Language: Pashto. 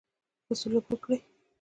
ښه سلوک وکړي.